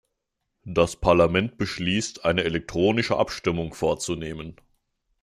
Das Parlament beschließt, eine elektronische Abstimmung vorzunehmen.